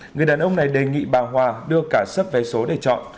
người đàn ông này đề nghị bà hòa đưa cả sấp vé số để chọn